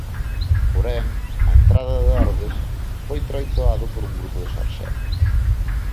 Porén, á entrada de Ordes foi traizoado por un grupo de sarxentos.